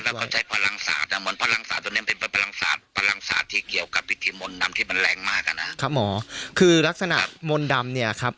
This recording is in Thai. ถือว่าเพราะน้องชมพู่เป็นเด็กผู้หญิงอายุ๓ขวบ